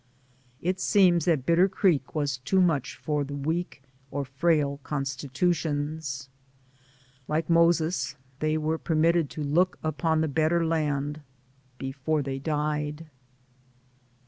It seems that Bitter Creek was too much for the weak or frail constitutions. Like Moses, they were permitted to look upon the better land before they died.